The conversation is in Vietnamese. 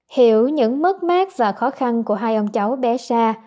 hiểu những mất mát và khó khăn của hai ông cháu bé xa